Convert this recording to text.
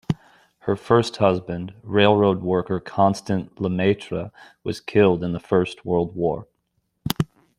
Her first husband, railroad worker Constant Lemaitre, was killed in the First World War.